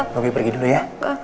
bobby pergi dulu ya